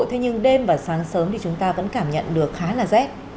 thế nhưng đêm và sáng sớm thì chúng ta vẫn cảm nhận được khá là rét